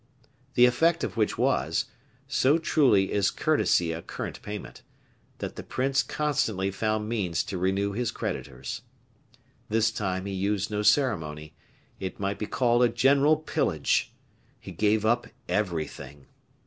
The effect of which was so truly is courtesy a current payment that the prince constantly found means to renew his creditors. This time he used no ceremony; it might be called a general pillage. He gave up everything.